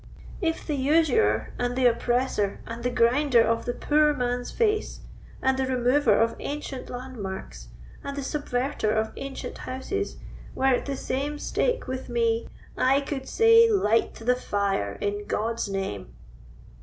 "If the usurer, and the oppressor, and the grinder of the poor man's face, and the remover of ancient landmarks, and the subverter of ancient houses, were at the same stake with me, I could say, 'Light the fire, in God's name!